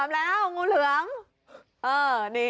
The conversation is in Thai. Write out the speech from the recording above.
งูเหลือมแล้ว